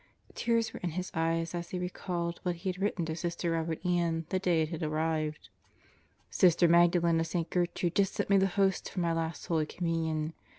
Tears were in his eyes as he recalled what he had written to Sister Robert Ann the day it had arrived: Sister Magdalen of St Gertrude just sent me the host for my last Holy Communion.